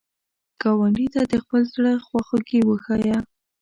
ګاونډي ته د خپل زړه خواخوږي وښایه